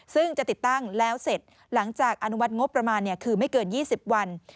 ซึ่งจะติดตั้งแล้วเสร็จหลังจากอนุมัติงบประมาณคือไม่เกิน๒๐วัน